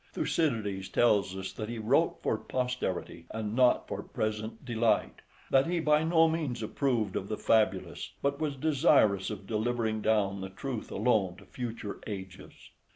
{57b} Thucydides tells us that he "wrote for posterity, and not for present delight; that he by no means approved of the fabulous, but was desirous of delivering down the truth alone to future ages."